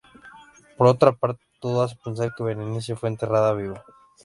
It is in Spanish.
Por otra parte, todo hace pensar que Berenice fue enterrada "viva".